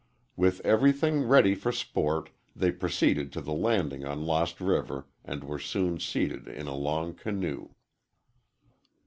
With everything ready for sport, they proceeded to the landing on Lost River and were soon seated in a long canoe.